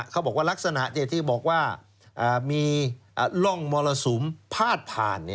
เขาบอกว่าลักษณะที่บอกว่ามีร่องมรสุมพาดผ่าน